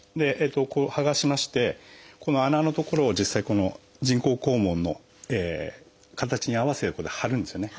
はがしましてこの穴の所を実際この人工肛門の形に合わせてこうやって貼るんですよね。